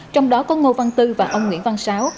trong đó có ngô văn tư và ông nguyễn văn sáu